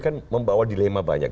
kan membawa dilema banyak